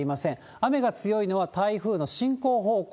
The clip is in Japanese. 雨が強いのは台風の進行方向